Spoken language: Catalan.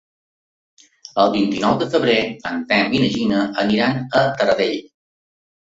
El vint-i-nou de febrer en Telm i na Gina aniran a Taradell.